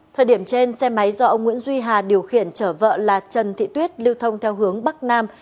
thời điểm trên xe máy do ông nguyễn duy hà điều khiển chở vợ là trần thị tuyết lưu thông theo hướng bắc nam